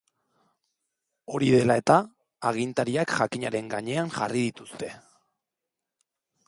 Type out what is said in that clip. Hori dela eta, agintariak jakinaren gainean jarri dituzte.